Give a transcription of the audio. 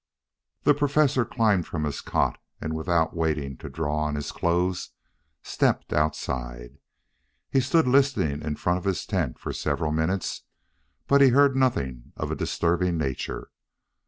The Professor climbed from his cot, and, without waiting to draw on his clothes, stepped outside. He stood listening in front of his tent for several minutes, but heard nothing of a disturbing nature.